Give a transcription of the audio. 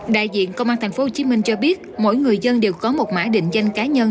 đại diện công an tp hcm cho biết mỗi người dân đều có một mã định danh cá nhân